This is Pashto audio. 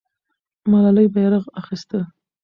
ملالۍ بیرغ اخیسته.